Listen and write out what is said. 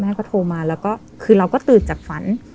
ก็โทรมาแล้วก็คือเราก็ตื่นจากฝัน